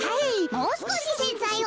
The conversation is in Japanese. もうすこしせんざいを。